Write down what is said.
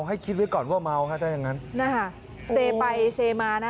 ให้คิดไว้ก่อนว่าเมาฮะถ้าอย่างงั้นนะคะเซไปเซมานะ